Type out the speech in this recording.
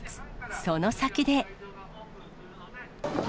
その先で。